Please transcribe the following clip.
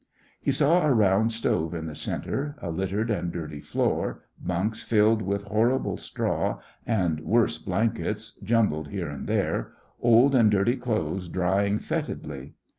He saw a round stove in the centre, a littered and dirty floor, bunks filled with horrible straw and worse blankets jumbled here and there, old and dirty clothes drying fetidly.